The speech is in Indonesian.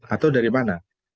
atau dari mana